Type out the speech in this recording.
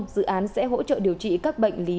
dự án sẽ hỗ trợ điều trị các bệnh lý